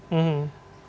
yang akan dilakukan